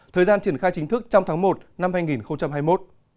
thời gian triển khai chính thức trong tháng một năm hai nghìn hai mươi một